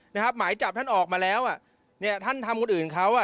หมายจับท่านออกมาแล้วอ่ะเนี่ยท่านทำคนอื่นเขาอ่ะ